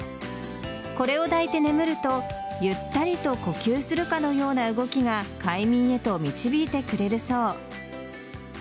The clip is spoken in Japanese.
これを抱いて眠るとゆったりと呼吸するかのような動きが快眠へと導いてくれるそう。